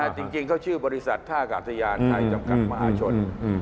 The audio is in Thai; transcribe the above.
จริงเขาชื่อบริษัทท่ากาศยานไทยจำกัดมหาชน